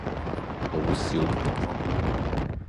老少平安